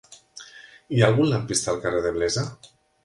Hi ha algun lampista al carrer de Blesa?